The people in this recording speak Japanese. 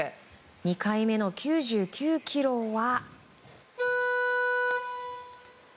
２回目の９９ｋｇは。